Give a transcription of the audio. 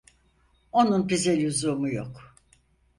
Onun bize lüzumu yok…